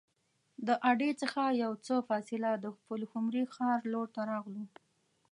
د اډې څخه یو څه فاصله د پلخمري ښار لور ته راغلو.